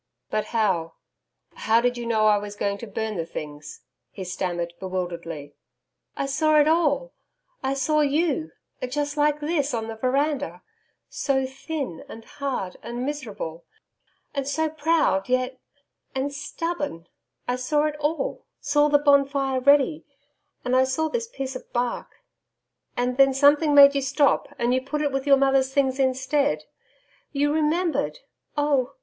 'But how how did you know I was going to burn the things?' he stammered bewilderedly. 'I saw it all I saw you just like this, on the veranda so thin and hard and miserable and so proud, yet and stubborn I saw it all saw the bonfire ready And I saw this piece of bark And then something made you stop and you put it with your mother's things instead. You remembered Oh!